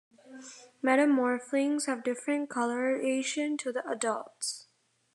Metamorphlings have different colouration to the adults.